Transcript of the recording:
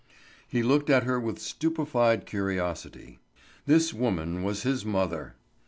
He looked at her with stupefied curiosity. This woman was his mother!